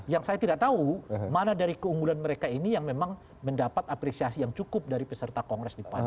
yang saya tidak tahu mana dari keunggulan mereka ini yang memang mendapat apresiasi yang cukup dari peserta kongres di pan